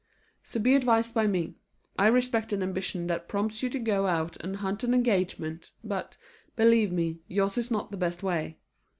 So be advised by me. I respect an ambition that prompts you to go out and hunt an engagement, but, believe me, yours is not the best way.